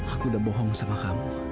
aku udah bohong sama kamu